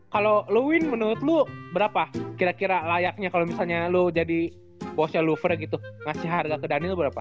kalo luwin menurut lu berapa kira kira layaknya kalo misalnya lu jadi bosnya lover gitu ngasih harga ke daniel berapa